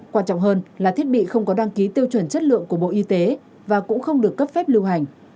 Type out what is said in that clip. quan trọng hơn là thiết bị không có đăng ký tiêu chuẩn chất lượng của bộ y tế và cũng không được cấp phép lưu hành